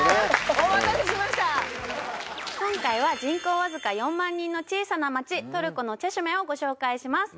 お待たせしました今回は人口わずか４万人の小さな街トルコのチェシュメをご紹介します